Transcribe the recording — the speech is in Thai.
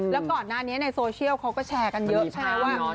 แล้วก่อนหน้านี้ในโซเชียลเขาก็แชร์กันเยอะใช่ไหมว่า